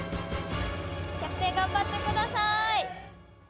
キャプテン頑張ってください。